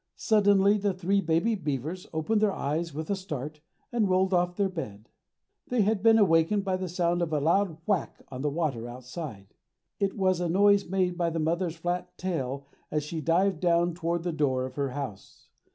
Suddenly the three baby beavers opened their eyes with a start, and rolled off their bed. They had been awakened by the sound of a loud whack on the water outside. It was a noise made by the mother's flat tail as she dived down toward the door of her house.